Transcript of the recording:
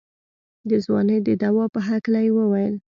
د ځوانۍ د دوا په هکله يې وويل.